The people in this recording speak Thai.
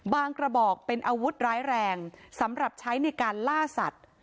กระบอกเป็นอาวุธร้ายแรงสำหรับใช้ในการล่าสัตว์